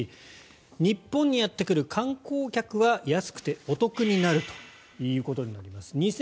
日本にやってくる観光客は安くてお得になるということです。